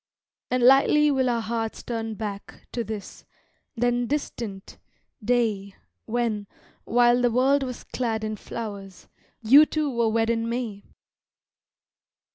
And lightly will our hearts turn back To this, then distant, day When, while the world was clad in flowers, You two were wed in May.